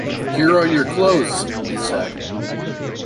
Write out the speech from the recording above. “Here are your clothes!” he said.